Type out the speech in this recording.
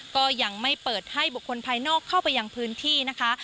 ก็ยังไม่เปิดให้บุคคลภายนอกเข้าไปยังพื้นที่นะคะ